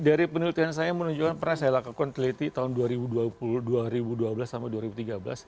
dari penelitian saya menunjukkan pernah saya lakukan teliti tahun dua ribu dua puluh dua ribu dua belas sampai dua ribu tiga belas